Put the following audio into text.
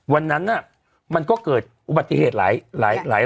วันนั้นมันก็เกิดอุบัติเหตุหลาย